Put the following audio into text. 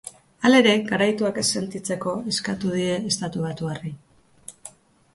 Halere, garaituak ez sentitzeko eskatu die estatubatuarrei.